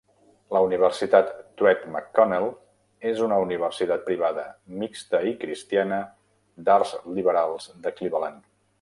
La Universitat Truett McConnell és una universitat privada, mixta i cristiana d'arts liberals de Cleveland.